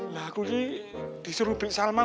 lagunya disuruh bik salmang